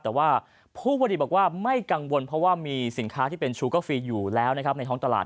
แต่ว่าผู้ผลิตบอกว่าไม่กังวลเพราะว่ามีสินค้าที่เป็นชูเกอร์ฟีอยู่แล้วนะครับในท้องตลาด